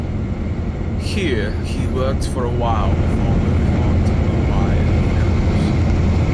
Here he worked for a while before moving on to Mumbai and films.